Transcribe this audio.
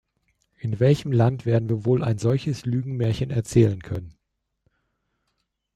In welchem Land werden wir wohl ein solches Lügenmärchen erzählen können?